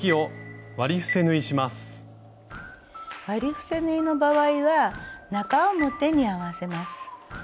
割り伏せ縫いの場合は中表に合わせます。